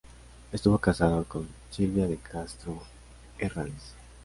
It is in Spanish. Estuvo casado con Silvia de Castro Herranz.